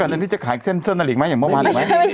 อยากอันนี้จะขายเส้นเส้นนาฬิกมั้ยอย่างเมื่อวานเดียวไหมไม่ใช่